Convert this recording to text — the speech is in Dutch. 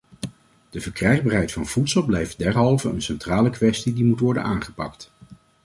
De verkrijgbaarheid van voedsel blijft derhalve een centrale kwestie die moet worden aangepakt.